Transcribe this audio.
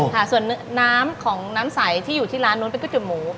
ค่ะส่วนน้ำของน้ำใสที่อยู่ที่ร้านนู้นเป็นก๋วหมู